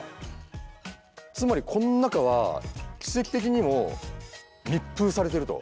つまりこの中は奇跡的にも密封されてると。